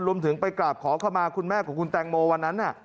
รวมถึงไปกราบขอเข้ามาคุณแม่ของคุณแตงโมวันนั้น